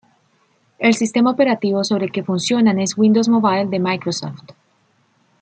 El sistema operativo sobre el que funcionan es Windows Mobile de Microsoft.